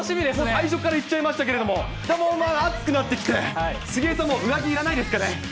最初から言っちゃいましたけど、だいぶ熱くなってきて、杉江さん、もう上着いらないですかね。